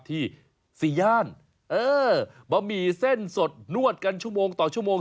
สี่ย่านเออบะหมี่เส้นสดนวดกันชั่วโมงต่อชั่วโมง